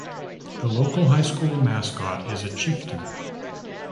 The local high school mascot is a chieftain.